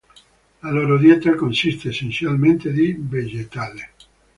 La loro dieta consiste essenzialmente di vegetali.